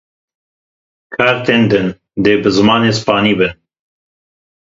Kartên din dê bi zimanê spanî bin.